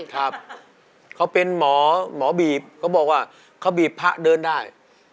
ครับเขาเป็นหมอหมอบีบเขาบอกว่าเขาบีบพระเดินได้